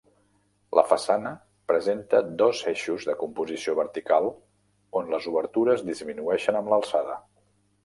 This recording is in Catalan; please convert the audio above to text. La façana presenta dos eixos de composició vertical, on les obertures disminueixen amb alçada.